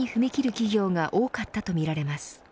企業が多かったとみられます。